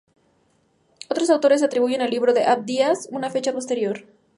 Otros autores atribuyen al libro de Abdías una fecha posterior.